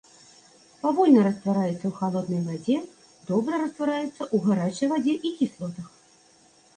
Павольна раствараецца ў халоднай вадзе, добра раствараецца ў гарачай вадзе і кіслотах.